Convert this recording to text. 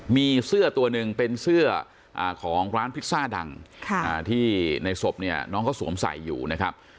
มีเสื้อตัวหนึ่งเป็นเสื้อของร้านพิซซ่าดังที่ในศพเนี่ยน้องเขาสวมใส่อยู่นะครับ